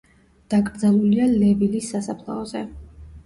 დაკრძალულია ლევილის სასაფლაოზე.